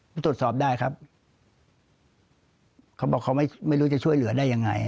มันตรวจสอบได้ครับเขาบอกเขาไม่รู้จะช่วยเหลือได้ยังไง